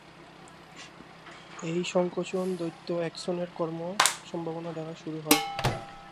এই সংকোচন দৈত্য এক্সনের কর্ম সম্ভাবনা দ্বারা শুরু হয়।